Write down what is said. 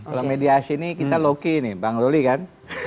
kalau mediasi ini kita loki nih bang loli kan